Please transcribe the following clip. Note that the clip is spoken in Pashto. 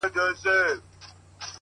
• په یوه خېز د کوهي سرته سو پورته ,